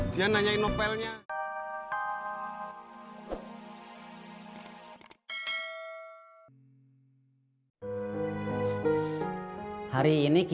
jajan dulu yuk